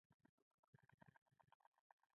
د بني ادم عقل پراخ ډګر لري.